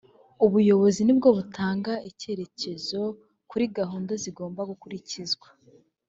ubuyobozi nibwo butanga icyerekezo kuri gahunda zigomba gukurikizwa